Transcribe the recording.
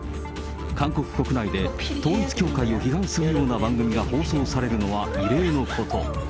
韓国国内で統一教会を批判するような番組が放送されるのは異例のこと。